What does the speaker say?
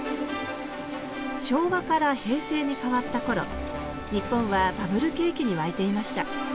昭和から平成に変わったころ日本はバブル景気に沸いていました。